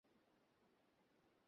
ওখানেই ওকে শেষ করব।